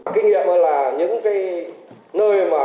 kinh nghiệm hơn là những nơi mà